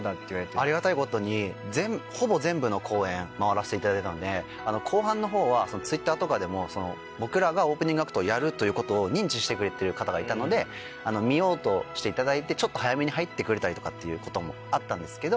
ありがたいことにほぼ全部の公演回らせていただいたので後半のほうはＴｗｉｔｔｅｒとかでも僕らがオープニングアクトをやるということを認知してくれてる方がいたので見ようとしていただいてちょっと早めに入ってくれたりとかってこともあったんですけど。